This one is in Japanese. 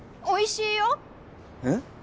「おいしいよ」ん？